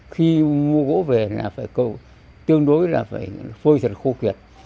khi mua gỗ về là phải cầu tương đối là phải phơi thật khô kiệt